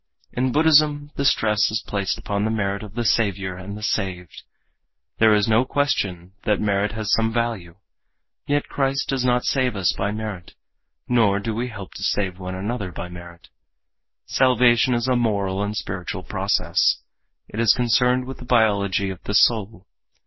In Buddhism the stress is placed upon the merit of the saviour and the saved. There is no question that merit has some value. Yet Christ does not save us by merit, nor do we help to save one another by merit. Salvation is a moral and spiritual process. It is concerned with the biology of the soul.